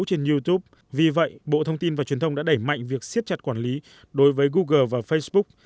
trên youtube vì vậy bộ thông tin và truyền thông đã đẩy mạnh việc siết chặt quản lý đối với google và facebook